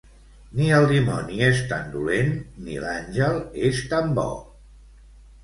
Ni el dimoni és tan dolent ni l'àngel és tan bo